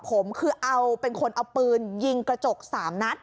ผมคือเอาเป็นคนเอาปืนยิงกระจก๓นัด